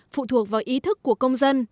phụ thuộc vào ý thức của công dân